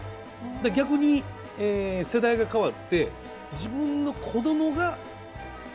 逆に世代が変わって自分のこどもが見だした頃の。